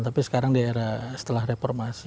tapi sekarang daerah setelah reformasi